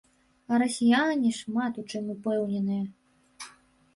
А расіяне шмат у чым упэўненыя.